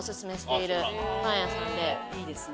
いいですね。